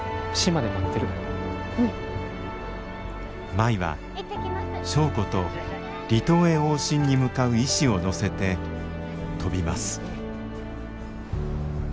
舞は祥子と離島へ往診に向かう医師を乗せて飛びます。